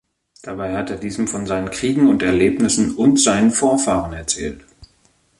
Dabei hat er diesem von seinen Kriegen und Erlebnissen und seinen Vorfahren erzählt.